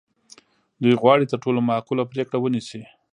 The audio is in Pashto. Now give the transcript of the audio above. دوی غواړي تر ټولو معقوله پرېکړه ونیسي.